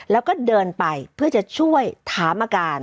แล้วก็เดินไปเพื่อจะช่วยถามอาการ